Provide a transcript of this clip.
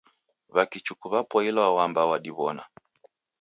W'akichuku w'apoilwa w'amba w'adiw'ona.